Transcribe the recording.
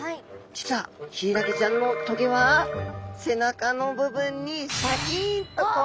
実はヒイラギちゃんのトゲは背中の部分にシャキンとこうあるんですね。